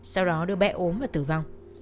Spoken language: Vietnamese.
sau đó đứa bé ốm và tử vong